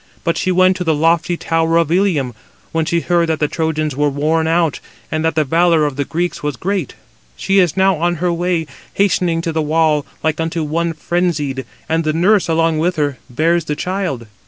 But she went to the lofty tower of Ilium, when she heard that the Trojans were worn out, and that the valour of the Greeks was great. She is now on her way, hastening to the wall, like unto one frenzied, and the nurse, along with her, bears the child."